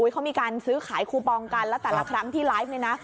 เขามีการซื้อขายคูปองกันแล้วแต่ละครั้งที่ไลฟ์เนี่ยนะ